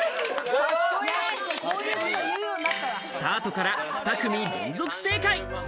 スタートから２組連続正解。